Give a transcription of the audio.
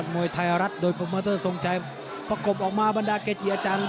มวยไทยรัฐโดยโปรโมเตอร์ทรงชัยประกบออกมาบรรดาเกจิอาจารย์